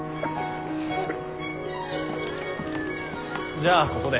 じゃあここで。